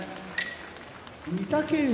御嶽海